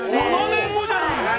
◆７年後じゃない。